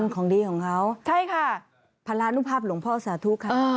อ๋อของดีของเขาพารานุภาพหลวงพ่อสาธุค่ะใช่ค่ะ